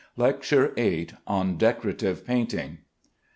LECTURE VIII. ON DECORATIVE PAINTING.